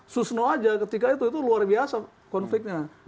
susno aja ketika itu itu luar biasa konfliknya